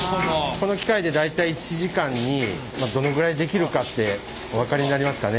この機械で大体１時間にどのぐらい出来るかってお分かりになりますかね？